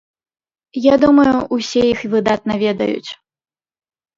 Я думаю усе іх выдатна ведаюць.